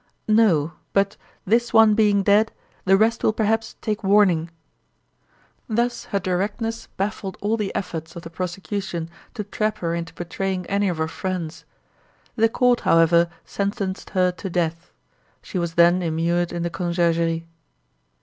"No, but, this one being dead, the rest will perhaps take warning." Thus her directness baffled all the efforts of the prosecution to trap her into betraying any of her friends. The court, however, sentenced her to death. She was then immured in the Conciergerie.